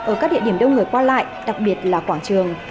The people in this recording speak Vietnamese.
ở các địa điểm đông người qua lại đặc biệt là quảng trường